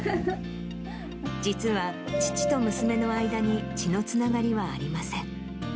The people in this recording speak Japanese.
実は、父と娘の間に血のつながりはありません。